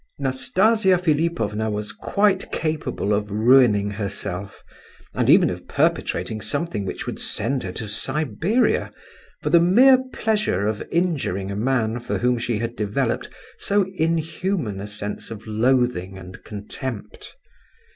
Nastasia Philipovna was quite capable of ruining herself, and even of perpetrating something which would send her to Siberia, for the mere pleasure of injuring a man for whom she had developed so inhuman a sense of loathing and contempt.